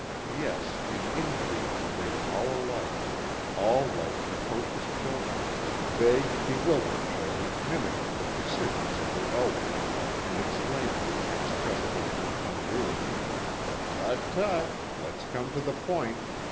Yes, in intrigue they were all alike all like precocious children; vague, bewildered children mimicking the precisions of their elders and exclaiming with distressful incongruity: "Tut, tut. Let's come to the point.